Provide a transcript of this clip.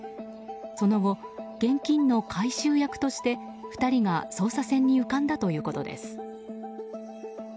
その後、現金の回収役として２人が捜査線に浮かんだということです。